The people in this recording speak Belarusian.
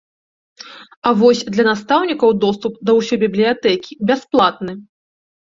А вось для настаўнікаў доступ да ўсёй бібліятэкі бясплатны.